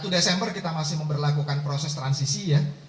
satu desember kita masih memperlakukan proses transisi ya